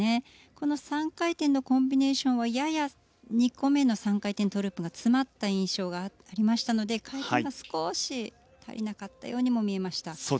この３回転のコンビネーションはやや２個目の３回転トウループが詰まった印象がありましたので回転が少し足りなかったようにも見えました。